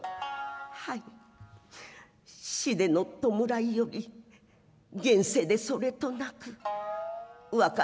「はい死出の弔いより現世でそれとなく別れが告げとう御座います」。